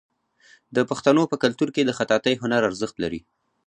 د پښتنو په کلتور کې د خطاطۍ هنر ارزښت لري.